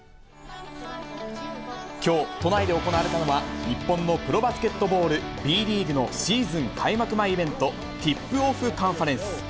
きょう、都内で行われたのは、日本のプロバスケットボール、Ｂリーグのシーズン開幕前イベント、ティップオフ・カンファレンス。